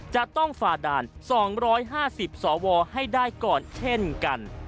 จะต้องฝ่าด่าน๒๕๐สวให้ได้ก่อนเช่นกัน